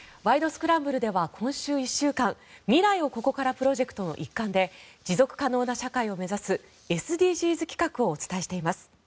スクランブル」では今週１週間未来をここからプロジェクトの一環で持続可能な社会を目指すＳＤＧｓ企画をお伝えしています。